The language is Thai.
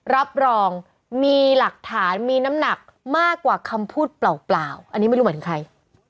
รับรองมีหลักฐานมีน้ำหนักมากกว่าคำพูดเปล่าอันนี้ไม่รู้หมายถึงใคร